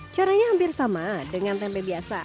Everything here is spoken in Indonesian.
caranya hampir sama dengan tempe biasa